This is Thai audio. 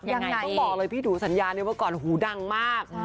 ต้องบอกเลยพี่ดูสัญญาเนี่ยว่าก่อนหูดังมาก